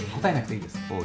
答えなくていいです。